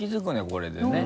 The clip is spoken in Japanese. これでね。